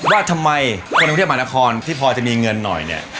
ว่าทำไมคนกรุงเทพมหานครที่พอจะมีเงินหน่อยเนี่ย